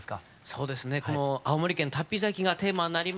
そうですね青森県龍飛崎がテーマになりました